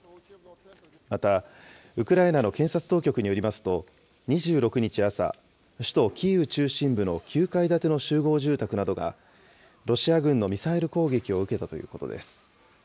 また、ウクライナの検察当局によりますと、２６日朝、首都キーウ中心部の９階建ての集合住宅などが、ロシア軍のミサイル攻撃を受けたということです。